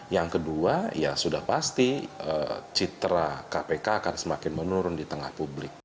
yang kedua ya sudah pasti citra kpk akan semakin menurun di tengah publik